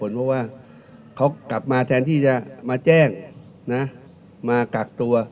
เพราะว่าเขากลับมาแทนที่จะมาแจ้งนะมากักตัว